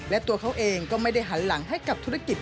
และตัวเขาเองก็ไม่ได้หันหลังให้กับธุรกิจ